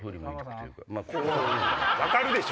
分かるでしょ！